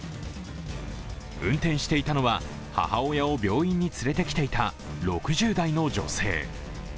運転していたのは母親を病院に連れてきていた６０代の女性。